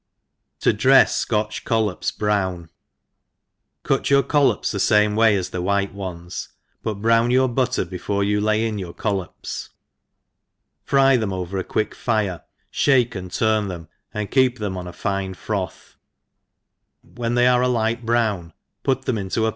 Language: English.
Tlo dtefs Scotch Collops brown* GUT your collops the fam« way as the white ones, but brown your butter before you lay irf your collops, fry them over a quick fire, (bake and turn them, and keep them on a fine frotJi : when they arc a light brown, put them into a pol ENGLISH HOUSE KEEPER.